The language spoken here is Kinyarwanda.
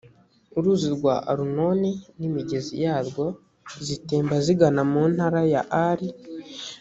uruzi rwa arunoni n’imigezi yarwo, zitemba zigana mu ntara ya ari.